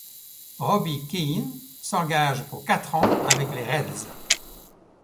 Robbie Keane s'engage pour quatre ans avec les Reds.